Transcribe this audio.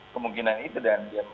kemungkinan itu dan dia